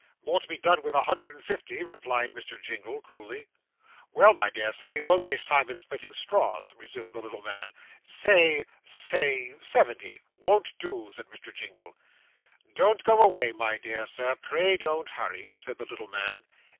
'More to be done with a hundred and fifty,' replied Mr. Jingle coolly. 'Well, my dear Sir, we won't waste time in splitting straws,' resumed the little man, 'say say seventy.' Won't do,' said Mr. Jingle. 'Don't go away, my dear sir pray don't hurry,' said the little man.